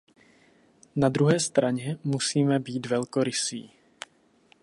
Na druhé straně musíme být velkorysí.